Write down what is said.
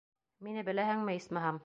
Мине беләһеңме, исмаһам?